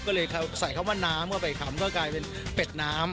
ก็เลยใส่คำว่าน้ำเข้าไปทำก็กลายเป็นเป็ดน้ำ